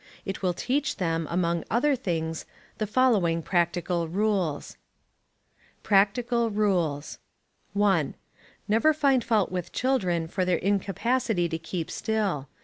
It will teach them, among other things, the following practical rules: Practical Rules. 1. Never find fault with children for their incapacity to keep still.